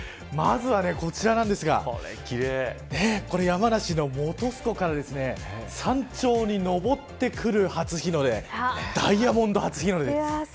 まずは、こちらなんですが山梨の本栖湖から山頂に昇ってくる初日の出ダイヤモンド初日の出です。